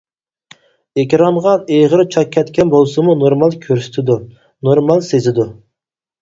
ئېكرانغا ئېغىر چاك كەتكەن بولسىمۇ، نورمال كۆرسىتىدۇ، نورمال سېزىدۇ.